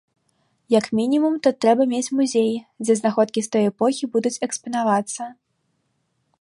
Як мінімум тут трэба мець музей, дзе знаходкі з той эпохі будуць экспанавацца.